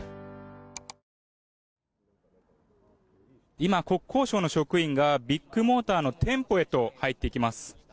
今、国交省の職員がビッグモーターの店舗へと入っていきます。